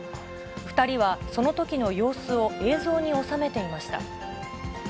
２人はそのときの様子を映像に収めていました。